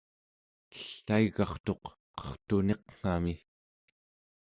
ellaigartuq qertuniqngami